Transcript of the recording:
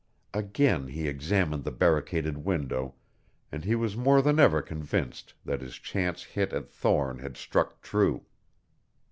Again he examined the barricaded window and he was more than ever convinced that his chance hit at Thorne had struck true.